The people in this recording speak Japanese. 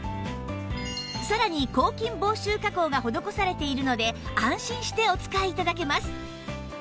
さらに抗菌防臭加工が施されているので安心してお使い頂けます